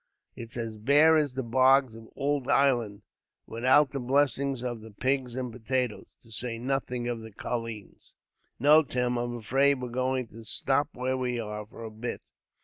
It's as bare as the bogs of ould Ireland, without the blessings of the pigs and potatoes, to say nothing of the colleens." "No, Tim, I'm afraid we're going to stop where we are, for a bit.